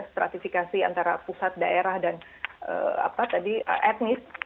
stratifikasi antara pusat daerah dan apa tadi etnis